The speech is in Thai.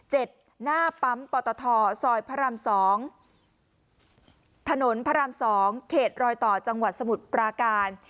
หน้าปั๊มปอตทซอยพระราม๒เขตรอยต่อจังหวัดสมุทรปราการ